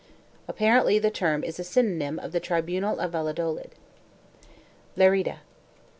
1 Apparently the term is a synonym of the tribunal of Valladolid. LE*RIDA.